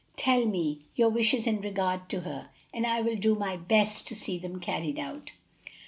Tell me your wishes in regard to her, and I will do my best to see them carried out."